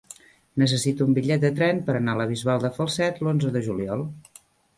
Necessito un bitllet de tren per anar a la Bisbal de Falset l'onze de juliol.